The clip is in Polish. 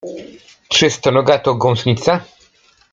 Czy stonoga to gąsienica?